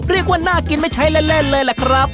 เรียกว่าน่ากินไม่ใช้เล่นเลยล่ะครับ